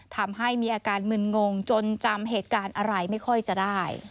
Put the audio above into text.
ทำให้มีอาการมึนงงจนจำเหตุการณ์อะไรไม่ค่อยจะได้